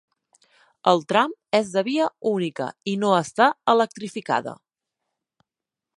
El tram és de via única i no està electrificada.